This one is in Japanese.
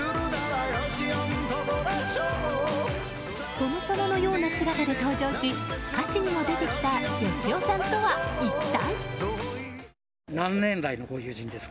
殿様のような姿で登場し歌詞にも出てきたヨシオさんとは一体？